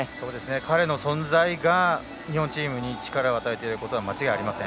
彼の存在が日本チームに力を与えていることは間違いありません。